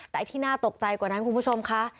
แต่ไอ้ที่น่าตกใจกว่านั้นคุณผู้ชมค่ะ